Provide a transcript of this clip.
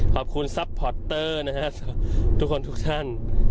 ขอบคุณซัพพอร์ตเตอร์นะฮะทุกคนทุกท่าน